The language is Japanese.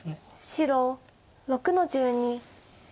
白６の十二。